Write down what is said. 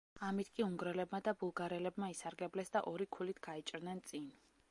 ამით კი უნგრელებმა და ბულგარელებმა ისარგებლეს და ორი ქულით გაიჭრნენ წინ.